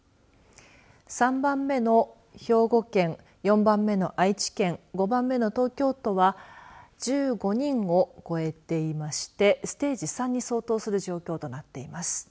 ３番目の兵庫県、４番目の愛知県５番目の東京都は１５人を超えていましてステージ３に相当する状況となっています。